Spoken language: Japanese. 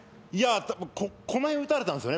この辺、打たれたんですよね